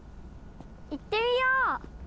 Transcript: いってみよう！